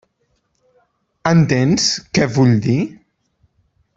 Entens què vull dir?